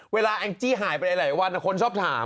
แองจี้หายไปหลายวันคนชอบถาม